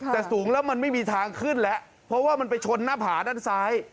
แต่สูงแล้วมันไม่มีทางขึ้นแล้วเพราะว่ามันไปชนหน้าผาด้านซ้าย